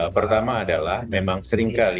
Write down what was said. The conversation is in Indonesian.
pertama adalah memang seringkali